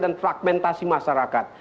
dan fragmentasi masyarakat